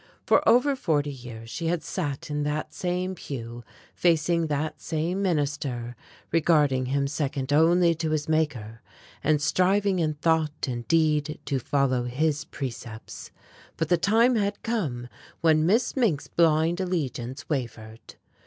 For over forty years she had sat in that same pew facing that same minister, regarding him second only to his Maker, and striving in thought and deed to follow his precepts. But the time had come when Miss Mink's blind allegiance wavered.